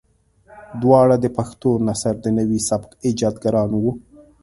دواړه د پښتو نثر د نوي سبک ايجادګران وو.